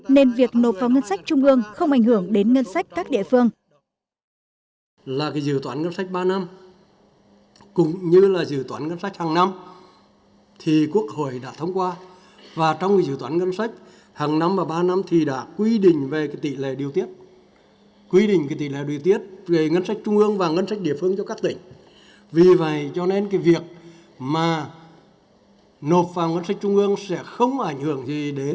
nên việc nộp vào ngân sách trung ương không ảnh hưởng đến ngân sách các địa phương